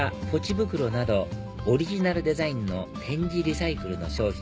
袋などオリジナルデザインの点字リサイクルの商品